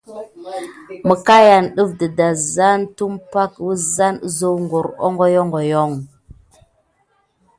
Məkayan yane def mis dedazan tumpay kutu suck kim kirore hohohokio.